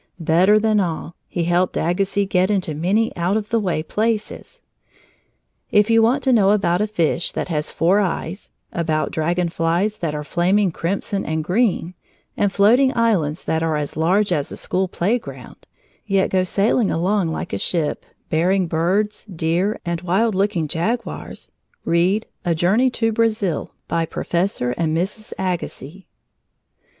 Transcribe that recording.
Better than all, he helped Agassiz get into many out of the way places. If you want to know about a fish that has four eyes, about dragon flies that are flaming crimson and green, and floating islands that are as large as a school playground, yet go sailing along like a ship, bearing birds, deer, and wild looking jaguars, read: A Journey to Brazil by Professor and Mrs. Agassiz.